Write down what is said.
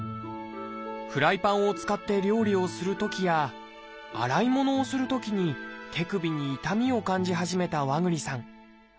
フライパンを使って料理をするときや洗い物をするときに手首に痛みを感じ始めた和栗さん。